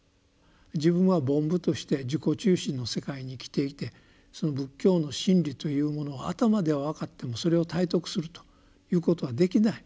自分は凡夫として自己中心の世界に生きていてその仏教の真理というものを頭では分かってもそれを体得するということはできない。